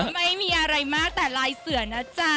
ไม่มีอะไรมากแต่ลายเสือนะจ๊ะ